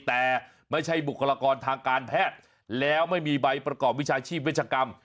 แต่ไม่ใช่บุคลากรทางการแพทย์แล้วไม่มีใบประกอบวิชาชีพเวชกรรม